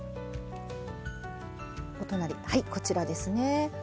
お隣はいこちらですね。